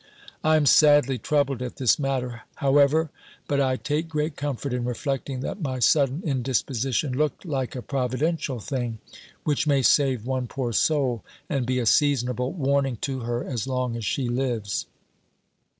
I am sadly troubled at this matter, however; but I take great comfort in reflecting that my sudden indisposition looked like a providential thing, which may save one poor soul, and be a seasonable warning to her, as long as she lives.